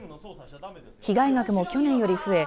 被害額も去年より増え